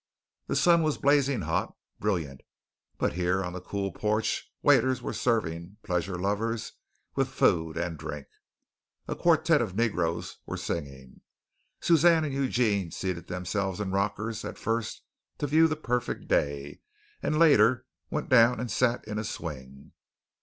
The sun was blazing hot, brilliant, but here on the cool porch waiters were serving pleasure lovers with food and drink. A quartette of negroes were singing. Suzanne and Eugene seated themselves in rockers at first to view the perfect day and later went down and sat in a swing.